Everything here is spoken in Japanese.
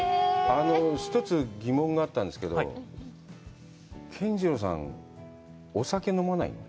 １つ、疑問があったんですけど、健二郎さん、お酒、飲まないの？